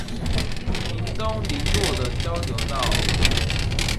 屏東麟洛的交流道